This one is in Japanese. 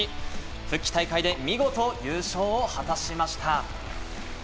復帰大会で見事、優勝を果たしました。